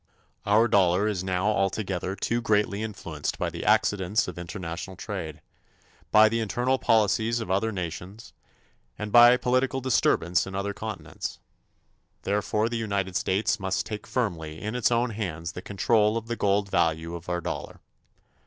Our dollar is now altogether too greatly influenced by the accidents of international trade, by the internal policies of other nations and by political disturbance in other continents. Therefore the United States must take firmly in its own hands the control of the gold value of our dollar.